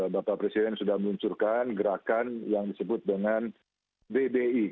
bapak presiden sudah meluncurkan gerakan yang disebut dengan bbi